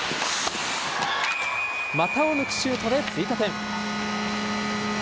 股を抜くシュートで追加点。